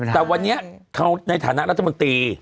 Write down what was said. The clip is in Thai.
แต่วันนี้เขาในฐานะรัฐมนตรี